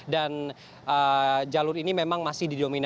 dan jalur ini memang masih didominasi